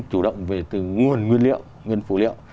chủ động về từ nguồn nguyên liệu nguyên phủ liệu